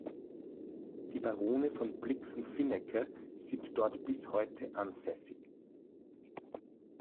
Die Barone von Blixen-Finecke sind dort bis heute ansässig.